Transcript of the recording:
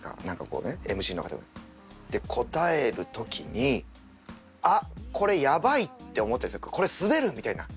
こうねＭＣの方に。で答える時に「あっ！これやばい！」って思ったりする「これスベる」みたいな。